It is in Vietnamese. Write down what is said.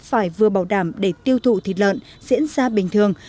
phải vừa bảo đảm để tiêu thụ thịt lợn diễn ra bình thường